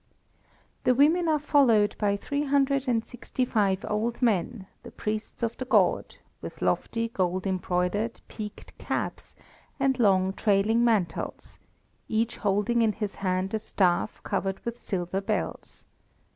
The women are followed by three hundred and sixty five old men, the priests of the god, with lofty, gold embroidered, peaked caps, and long trailing mantles, each holding in his hand a staff covered with silver bells.